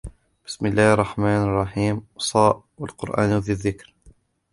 بسم الله الرحمن الرحيم ص والقرآن ذي الذكر